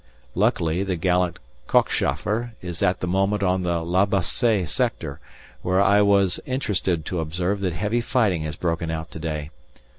Luckily the gallant "Cockchafer" is at the moment on the La Bassée sector, where I was interested to observe that heavy fighting has broken out to day.